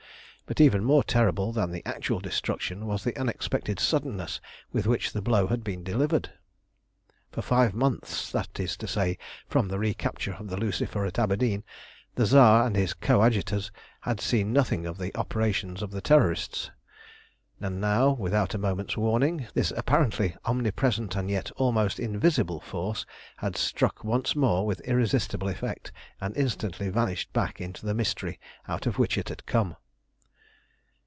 But even more terrible than the actual destruction was the unexpected suddenness with which the blow had been delivered. For five months, that is to say, from the recapture of the Lucifer at Aberdeen, the Tsar and his coadjutors had seen nothing of the operations of the Terrorists; and now, without a moment's warning, this apparently omnipresent and yet almost invisible force had struck once more with irresistible effect, and instantly vanished back into the mystery out of which it had come.